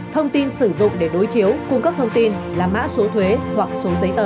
thông tin sử dụng để đối chiếu cung cấp thông tin là mã số thuế hoặc số giấy tờ